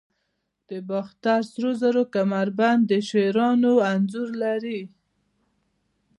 د باختر سرو زرو کمربند د شیرانو انځور لري